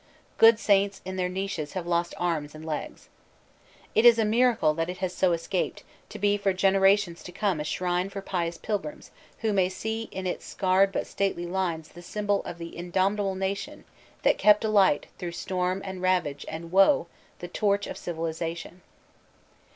Good saints in their niches have lost arms and legs. It is a miracle that it has so escaped, to be for generations to come a shrine for pious pilgrims who may see in its scarred but stately lines the symbol of the indomitable nation that kept alight through storm and ravage and woe the torch of civilization.